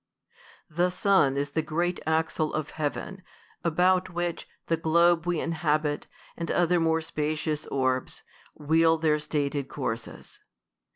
The sun is the great axle of heaven, about which, the globe v.e inhabit, and other more spacious orbs, wheel their stated courses.